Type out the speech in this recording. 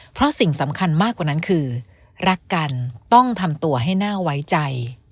เพราะสิ่งสำคัญมากกว่านั้นคือรักกันต้องทำตัวให้น่าไว้ใจ